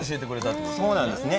そうなんですね。